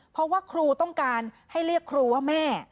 เพราะว่าครูต้องการให้เรียกครูว่าแม่